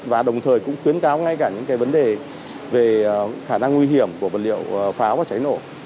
và đồng thời cũng khuyến cáo ngay cả những vấn đề về khả năng nguy hiểm của vật liệu pháo và cháy nổ